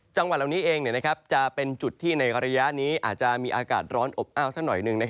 จังหวัดเหล่านี้เองจะเป็นจุดที่ในระยะนี้อาจจะมีอากาศร้อนอบอ้าวสักหน่อยหนึ่ง